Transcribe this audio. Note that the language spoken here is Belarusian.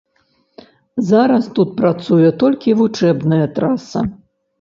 Зараз тут працуе толькі вучэбная траса.